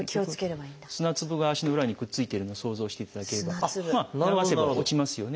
砂粒が足の裏にくっついてるのを想像していただければ流せば落ちますよね。